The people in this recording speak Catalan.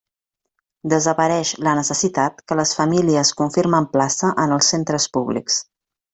Desapareix la necessitat que les famílies confirmen plaça en els centres públics.